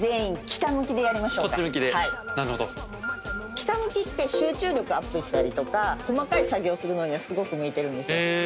北向きって集中力アップしたりとか細かい作業するのにはすごく向いてるんですよ。